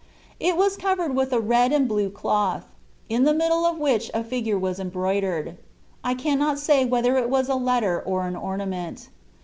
It was covered with a red and blue cloth, in the middle of which a figure was em broidered. I cannot say whether it was a letter or an ornament.